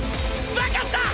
分かった！！